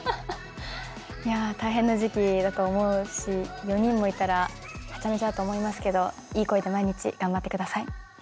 いやあ大変な時期だと思うし４人もいたらハチャメチャだと思いますけどいい声で毎日頑張ってください。